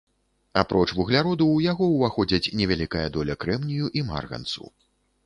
Апроч вугляроду ў яго ўваходзяць невялікая доля крэмнію і марганцу.